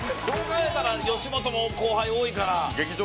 そう考えたら吉本も後輩多いから。